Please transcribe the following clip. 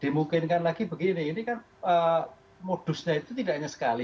dimungkinkan lagi begini ini kan modusnya itu tidak hanya sekali